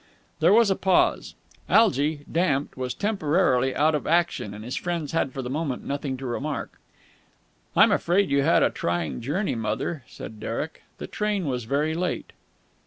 There was a pause. Algy, damped, was temporarily out of action, and his friends had for the moment nothing to remark. "I'm afraid you had a trying journey, mother," said Derek. "The train was very late."